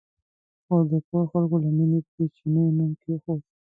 خو د کور خلکو له مینې پرې چیني نوم کېښود.